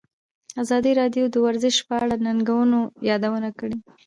ازادي راډیو د ورزش په اړه د ننګونو یادونه کړې.